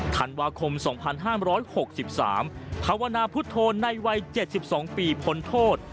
ธันวาคมสองพันห้ามร้อยหกสิบสามธวนาพุทธโทษในวัยเจ็ดสิบสองปีพ้นโทษ